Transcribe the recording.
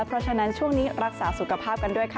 เพราะฉะนั้นช่วงนี้รักษาสุขภาพกันด้วยค่ะ